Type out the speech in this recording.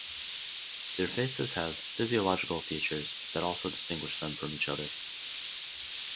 Their faces have physiological features that also distinguish them from each other.